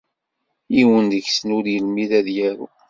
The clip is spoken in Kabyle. Yiwen deg-sen ur yelmid ad yaru.